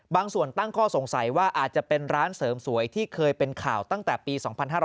บางส่วนตั้งข้อสงสัยว่าอาจจะเป็นร้านเสริมสวยที่เคยเป็นข่าวตั้งแต่ปี๒๕๕๙